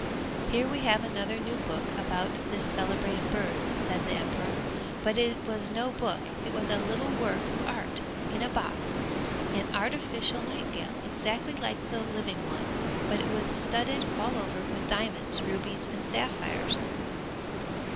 'Here we have another new book about this celebrated bird,' said the emperor. But it was no book; it was a little work of art in a box, an artificial nightingale, exactly like the living one, but it was studded all over with diamonds, rubies and sapphires.